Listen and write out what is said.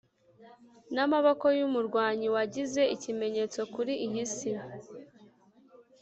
namaboko yumurwanyi wagize ikimenyetso kuri iyi si.